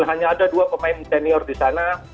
hanya ada dua pemain senior di sana